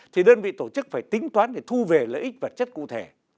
thì đơn vị tổ chức phải tính toán để thu về lợi ích vật chất cụ thể